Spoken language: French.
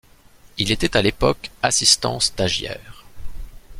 Il était à l'époque assistant stagiaire.